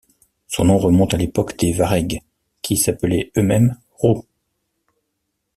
Son nom remonte à l'époque des Varègues, qui s'appelaient eux-mêmes Rous.